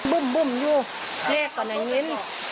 บุ้มบุ้มอยู่แรกกว่าไหนนิ้น